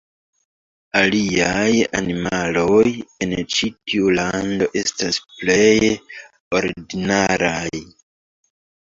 Aliaj animaloj en ĉi tiu lando estas pleje ordinaraj.